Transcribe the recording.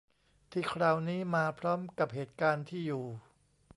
ที่คราวนี้มาพร้อมกับเหตุการณ์ที่อยู่